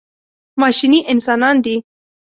ماشیني انسانان دي.